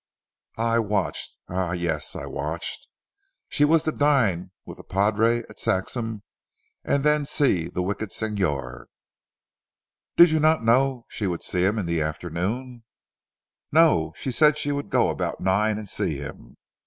I watched eh! yes, I watched. She was to dine with the padre at Saxham, and then see the wicked Signor." "Did you not know she would see him in the afternoon?" "No! She said she would go about nine and see him.